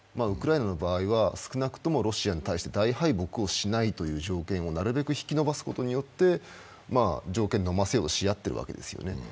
ウクライナの場合は少なくともロシアに対して大敗北をしないという条件をなるべく引き延ばすことによって、条件ののませをし合っているんですよね。